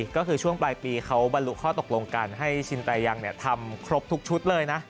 ก็คือช่วงปลายปีเขาบรรลุข้อตกลงกันให้ชินตายังทำครบทุกชุดเลยนะ